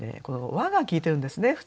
この「は」が効いてるんですね。